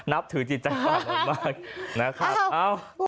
นับถือจิตใจปานนท์มากนะครับ